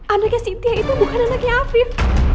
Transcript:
anaknya sintia itu bukan anaknya afif